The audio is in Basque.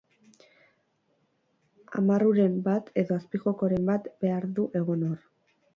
Amarruren bat edo azpijokoren bat behar du egon hor.